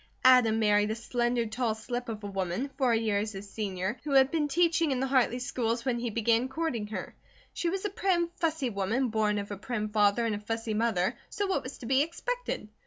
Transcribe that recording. Adam married a slender tall slip of a woman, four years his senior, who had been teaching in the Hartley schools when he began courting her. She was a prim, fussy woman, born of a prim father and a fussy mother, so what was to be expected?